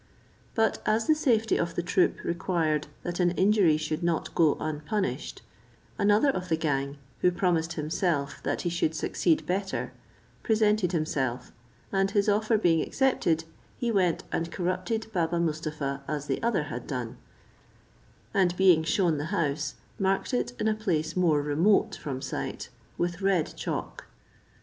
But as the safety of the troop required that an injury should not go unpunished, another of the gang, who promised himself that he should succeed better, presented himself, and his offer being accepted, he went and corrupted Baba Mustapha, as the other had done; and being shewn the house, marked it in a place more remote from sight, with red chalk.